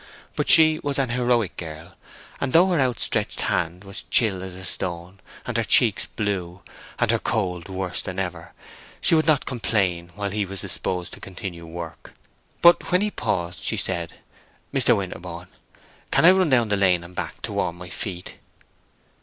But she was an heroic girl, and though her out stretched hand was chill as a stone, and her cheeks blue, and her cold worse than ever, she would not complain while he was disposed to continue work. But when he paused she said, "Mr. Winterborne, can I run down the lane and back to warm my feet?"